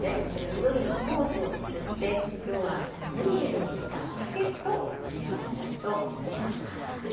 緑のソースを作ってきょうは、ムニエルにしたさけと組み合わせたいと思います。